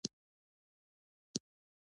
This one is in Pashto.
د احمدشاه بابا جرګي د افغان دودونو سمبول وي.